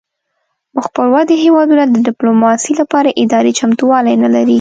مخ پر ودې هیوادونه د ډیپلوماسي لپاره اداري چمتووالی نلري